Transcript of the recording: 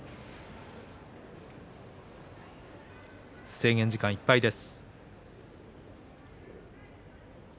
制限時間いっぱいです。